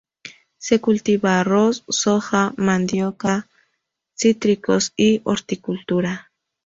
Se cultiva arroz, soja, mandioca, cítricos y horticultura.